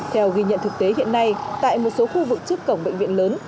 theo ghi nhận thực tế hiện nay tại một số khu vực trước cổng bệnh viện lớn